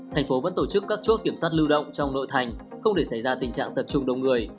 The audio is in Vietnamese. thành phố vẫn tổ chức các chốt kiểm soát lưu động trong nội thành không để xảy ra tình trạng tập trung đông người